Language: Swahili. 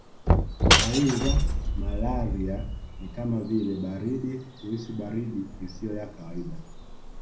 Dalili za malaria ni kama vile baridi kuhisi baridi isiyo ya kawaida